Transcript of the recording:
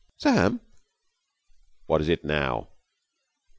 "Sam!" "What is it now?"